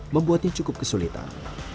membuatnya cukup kesulitan